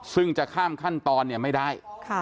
ซึ่งจะข้ามขั้นตอนไม่ได้